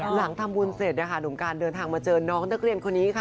หลังทำบุญเสร็จนะคะหนุ่มการเดินทางมาเจอน้องนักเรียนคนนี้ค่ะ